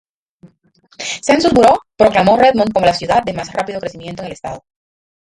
Census Bureau proclamó Redmond como la ciudad de más rápido crecimiento en el Estado.